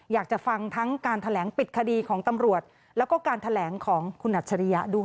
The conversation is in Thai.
อยากจะฟังทั้งการแถลงปิดคดีของตำรวจแล้วก็การแถลงของคุณอัจฉริยะด้วย